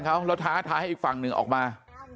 เขาแล้วท้าทายให้อีกฝั่งหนึ่งออกมา